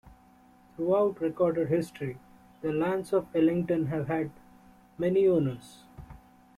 Throughout recorded history, the lands of Ellington have had many owners.